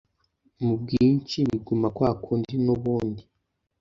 mu bwinshi biguma kwakundi nubundi